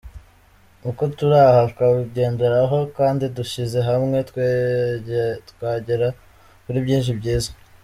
Uko turi aha twabigenderaho, kandi dushyize hamwe twagera kuri byinshi byiza.